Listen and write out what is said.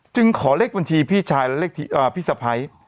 ขอเลขบัญชีพี่ชายและเลขพี่สะพ้าย